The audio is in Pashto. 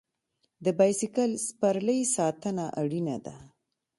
د بایسکل سپرلۍ ساتنه اړینه ده.